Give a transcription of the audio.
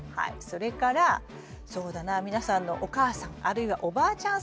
それからそうだな皆さんのお母さんあるいはおばあちゃん